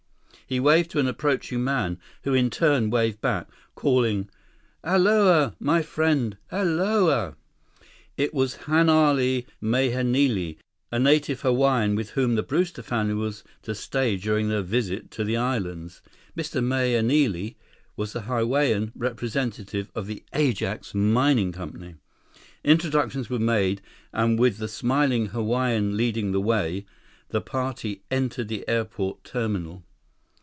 He waved to an approaching man who in turn waved back, calling, "Aloha, my friend. Aloha!" It was Hanale Mahenili, a native Hawaiian with whom the Brewster family was to stay during their visit to the islands. Mr. Mahenili was the Hawaiian representative of the Ajax Mining Company. Introductions were made, and with the smiling Hawaiian leading the way, the party entered the airport terminal.